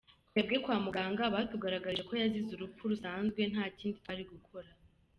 Twebwe kwa muganga batugaragarije ko yazize urupfu rusanzwe nta kindi twari gukora.